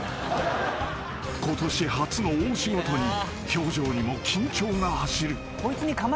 ［ことし初の大仕事に表情にも緊張が走る］